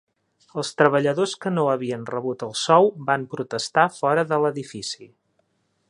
Els treballadors que no havien rebut el sou van protestar fora de l'edifici.